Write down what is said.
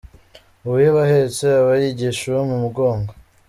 uwiba ahetse aba yigisha uwo mumugongo.